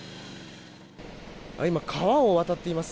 今、川を渡っています。